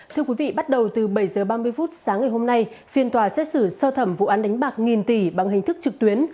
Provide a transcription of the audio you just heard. thưa quý vị bắt đầu từ bảy h ba mươi phút sáng ngày hôm nay phiên tòa xét xử sơ thẩm vụ án đánh bạc nghìn tỷ bằng hình thức trực tuyến